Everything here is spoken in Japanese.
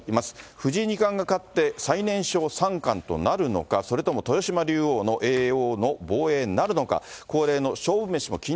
藤井二冠が勝って最年少三冠となるのか、それとも豊島竜王の叡王の防衛になるのか、恒例の勝負メシも気に